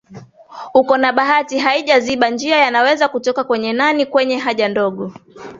uko na bahati haija ziba njia yanaweza kutoka kwenye nani kwenye haja ndogo